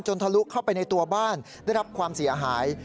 ทะลุเข้าไปในตัวบ้านได้รับความเสียหาย